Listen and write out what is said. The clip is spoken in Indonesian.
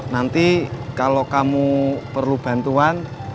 nanti kalau kamu perlu bantuan